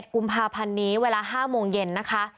กุมภาพันธ์นี้เวลา๕โมงเย็นนะคะ